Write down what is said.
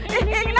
ya elah cumi asin